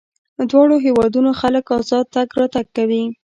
دواړو هېوادونو خلک ازاد تګ راتګ کوي.